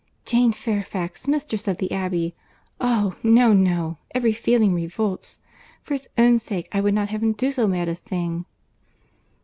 Jane Fairfax mistress of the Abbey!—Oh! no, no;—every feeling revolts. For his own sake, I would not have him do so mad a thing."